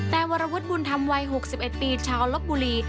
แต่วรวุฒิบุญธรรมวัย๖๑ปีชาวลบบุรี